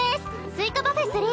スイカパフェ３。